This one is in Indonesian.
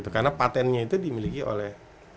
karena patentnya itu dimiliki oleh